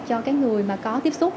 cho cái người mà có tiếp xúc